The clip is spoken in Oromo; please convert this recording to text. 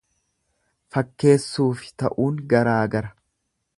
Fakkeessuufi ta'uun garaagara.